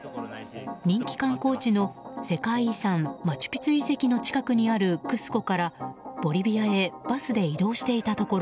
人気観光地の世界遺産マチュピチュ遺跡の近くにあるクスコからボリビアへバスで移動していたところ